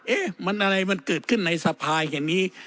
เอ๊ะมันอะไรมันเกิดขึ้นในสภาอย่างนี้